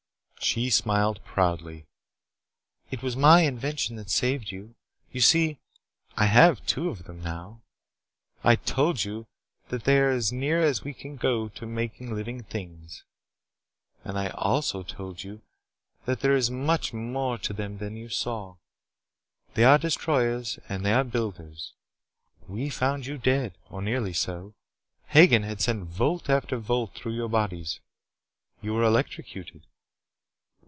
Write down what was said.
She smiled proudly. "It was my invention that saved you. You see, I have two of them now. I told you that they are as near as we can get to making living things. And I also told you that there is much more to them than you saw. They are destroyers and they are builders. We found you dead or nearly so. Hagen had sent volt after volt through your bodies. You were electrocuted."